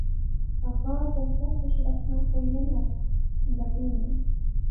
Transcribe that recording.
ہاں خاں، جنگتے خوش رکھنا کڑیا نی ہتھ بٹی ہونی